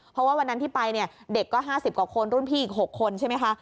เพราะว่าวันนั้นที่ไปเนี่ยเด็กก็๕๐กว่าคนรุ่นพี่อีก๖คนใช่ไหมคะ